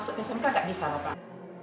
masuk ke smk tidak bisa lho pak